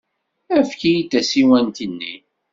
Efk-iyi-d tasiwant-nni.